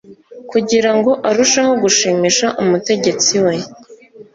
kugira ngo arusheho gushimisha umutegetsi we